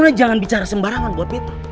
lu jangan bicara sembarangan buat betta